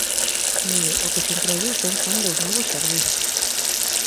Mire, o que se introducen son dous novos servizos.